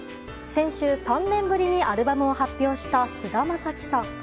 先週、３年ぶりにアルバムを発表した菅田将暉さん。